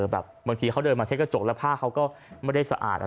บางทีเขาเดินมาเช็ดกระจกแล้วผ้าเขาก็ไม่ได้สะอาด